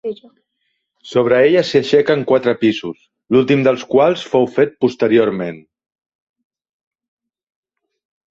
Sobre ella s'hi aixequen quatre pisos, l'últim dels quals fou fet posteriorment.